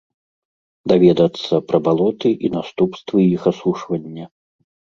Даведацца пра балоты і наступствы іх асушвання.